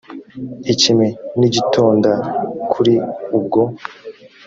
ikime nigitonda kuri ubwo